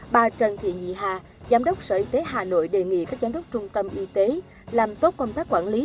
bà trần thị nhì hà giám đốc sở y tế hà nội đề nghị các giám đốc trung tâm y tế làm tốt công tác quản lý